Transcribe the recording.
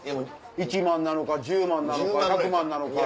１万なのか１０万なのか１００万なのか。